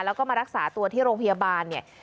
แล้วก็มารักษาตัวที่โรงพยาบาลเนี่ย